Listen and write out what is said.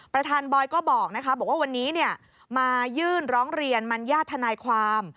ประธานบอยก็บอกว่าวันนี้มายื่นร้องเรียนมัญญาติทนายความ